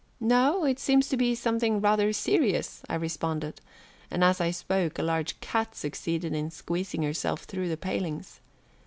"No, it seems to be something rather serious," I responded, and as I spoke a large cat succeeded in squeezing herself through the palings.